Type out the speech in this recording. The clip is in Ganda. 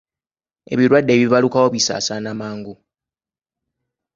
Ebirwadde ebibalukawo bisaasaana mangu.